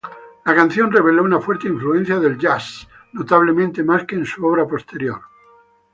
La canción reveló una fuerte influencia jazz, notablemente más que en su obra posterior.